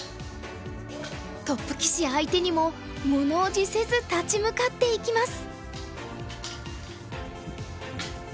トップ棋士相手にも物おじせず立ち向かっていきます。